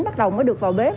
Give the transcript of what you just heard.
bắt đầu mới được vào bếp